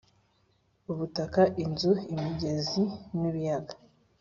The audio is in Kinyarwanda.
ubutaka inzuzi imigezi n’ ibiyaga